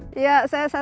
ketika diberi pengalaman